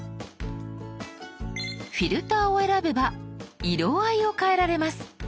「フィルター」を選べば色合いを変えられます。